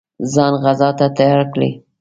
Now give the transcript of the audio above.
ځان غزا ته تیار کړي.